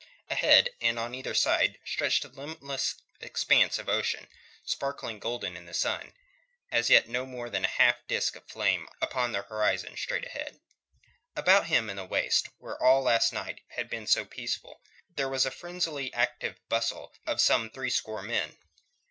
Ahead and on either side stretched the limitless expanse of ocean, sparkling golden in the sun, as yet no more than a half disc of flame upon the horizon straight ahead. About him in the waist, where all last night had been so peaceful, there was a frenziedly active bustle of some threescore men.